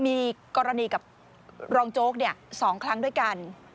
มีกรณีกับรองโจ๊ก๒ครั้งด้วยกัน